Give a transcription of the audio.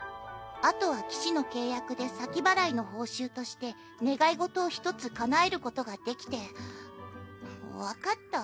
あとは騎士の契約で先払いの報酬として願い事を一つかなえることができて分かった？